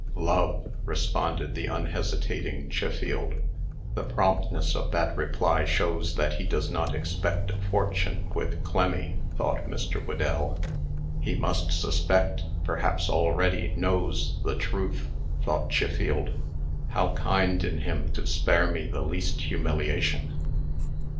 "Love," responded the unhesitating Chiffield. "The promptness of that reply shows that he does not expect a fortune with Clemmy," thought Mr. Whedell. "He must suspect perhaps already knows the truth," thought Chiffield. "How kind in him to spare me the least humiliation!"